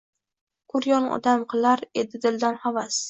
Ko‘rgan odam qilar edi dildan havas